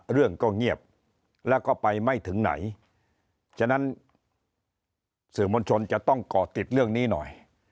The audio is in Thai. เรื่องก็เงียบแล้วก็ไปไม่ถึงไหนฉะนั้นสื่อมวลชนจะต้องก่อติดเรื่องนี้หน่อย